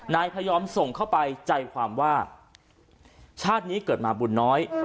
นายพยอมส่งเข้าไปใจความว่าชาตินี้เกิดมาบุญน้อย